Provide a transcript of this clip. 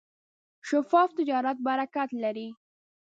شفاف تجارت برکت لري.